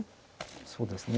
そうですね